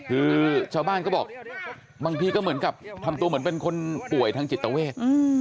คือชาวบ้านก็บอกบางทีก็เหมือนกับทำตัวเหมือนเป็นคนป่วยทางจิตเวท